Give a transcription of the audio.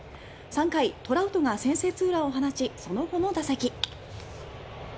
３回、トラウトが先制ツーランを放ちその後の打席。